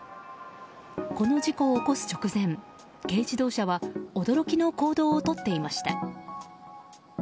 この事故を起こす直前軽自動車は驚きの行動をとっていました。